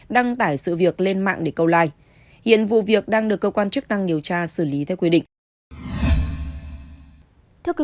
đăng tải sự việc lên mạng để câu like hiện vụ việc đang được cơ quan chức năng điều tra xử lý theo quy định